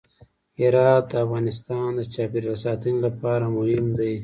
هرات د افغانستان د چاپیریال ساتنې لپاره مهم دی.